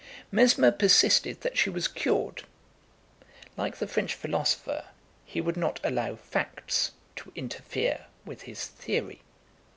Mesmer persisted that she was cured. Like the French philosopher, he would not allow facts to interfere with his theory.